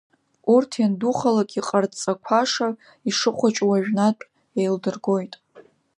Урҭ иандухалак иҟарҵақәаша, ишыхәыҷу уажәнатә еилдыргоит.